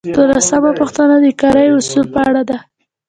دولسمه پوښتنه د کاري اصولو په اړه ده.